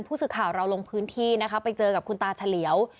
ผู้สื่อข่าวเราลงพื้นที่นะคะไปเจอกับคุณตาเฉลียว